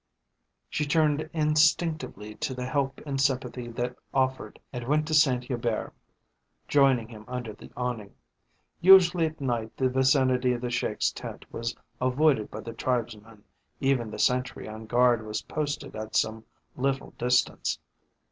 She turned instinctively to the help and sympathy that offered and went to Saint Hubert, joining him under the awning. Usually at night the vicinity of the Sheik's tent was avoided by the tribesmen, even the sentry on guard was posted at some little distance.